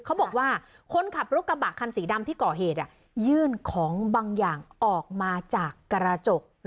เขาบอกว่าคนขับรถกระบะคันสีดำที่ก่อเหตุยื่นของบางอย่างออกมาจากกระจก